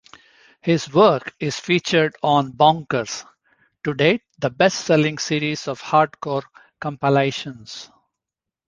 His work is featured on Bonkers, to date the best-selling series of hardcore compilations.